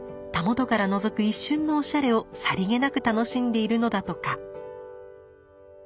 袂からのぞく一瞬のおしゃれをさりげなく楽しんでいるのだとか。